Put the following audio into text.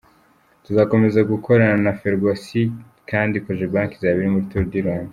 Tuzakomza gukorana na Ferwacy kandi Cogebanque izaba iri muri Tour du Rwanda.